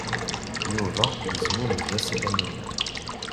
Yuba yezmumeg-as i Tanina.